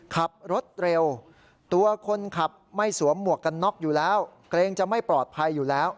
ขับรถเร็วตัวคนขับไม่สวมหมวกกันน็อกอยู่แล้วเกรงจะไม่ปลอดภัยอยู่แล้ว